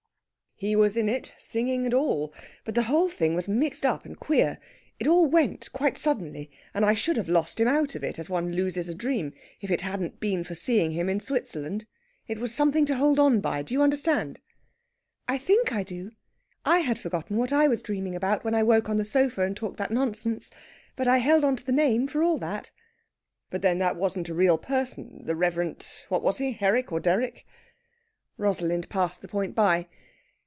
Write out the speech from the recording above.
"He was in it, singing and all. But the whole thing was mixed up and queer. It all went, quite suddenly. And I should have lost him out of it, as one loses a dream, if it hadn't been for seeing him in Switzerland. It was something to hold on by. Do you understand?" "I think I do. I had forgotten what I was dreaming about when I woke on the sofa and talked that nonsense. But I held on to the name, for all that." "But then that wasn't a real person, the Reverend what was he? Herrick or Derrick." Rosalind passed the point by.